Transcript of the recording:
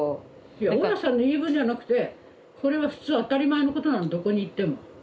いや大家さんの言い分じゃなくてこれは普通当たり前のことなのどこに行っても。